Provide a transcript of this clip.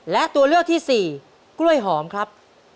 และตัวเลือกที่สี่กล้วยหอมครับ